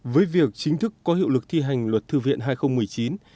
với việc chính thức có hiệu lực thi hành luật thư viện hai nghìn một mươi chín